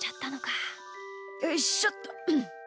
よいしょっと。